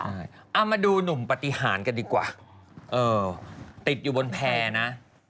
เอามาดูหนุ่มปฏิหารกันดีกว่าเออติดอยู่บนแพร่นะ